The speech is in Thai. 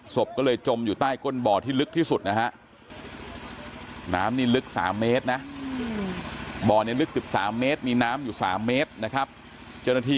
ศพก็เลยจมอยู่ใต้ก้นบ่อที่ลึกที่สุดนะฮะ